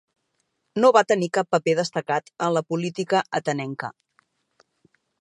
No va tenir cap paper destacat en la política atenenca.